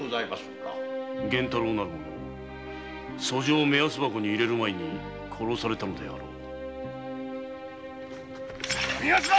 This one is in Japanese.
源太郎なる者訴状目安箱に入れる前に殺されたのであろう。